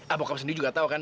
ah bokap sendiri juga tahu kan